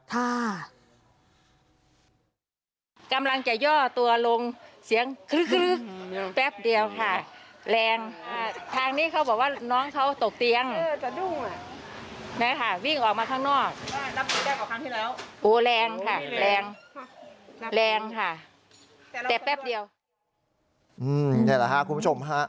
ได้แล้วค่ะคุณผู้ชม